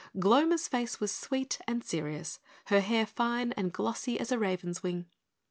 Gloma's face was sweet and serious, her hair fine and glossy as a raven's wing.